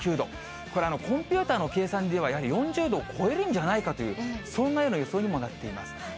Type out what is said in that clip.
これ、コンピューターの計算では、やはり４０度を超えるんじゃないかという、そんなような予想にもなっています。